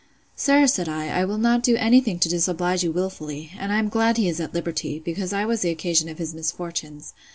Sir, said I, I will not do any thing to disoblige you wilfully; and I am glad he is at liberty, because I was the occasion of his misfortunes.